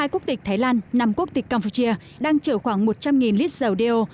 hai quốc tịch thái lan nằm quốc tịch campuchia đang chở khoảng một trăm linh lít dầu đeo